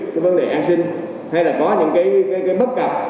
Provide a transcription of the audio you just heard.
cái vấn đề an sinh hay là có những cái bất cập